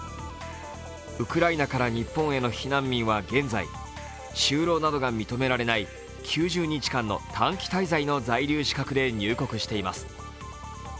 ウクライナから日本への避難民は現在、就労などが認められない９０日間の短期滞在の在留資格で入国しています。